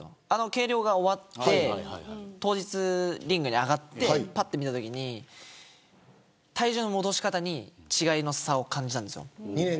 計量が終わって当日リングに上がって、ぱっと見たときに体重の戻し方に違いの差を感じたんです。